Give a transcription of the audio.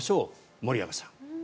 森山さん。